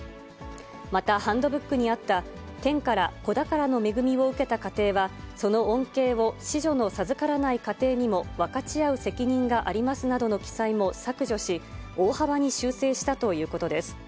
またハンドブックにあった、天から子宝の恵みを受けた家庭は、その恩恵を子女の授からない家庭にも分かち合う責任がありますなどの記載も削除し、大幅に修正したということです。